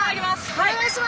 お願いします。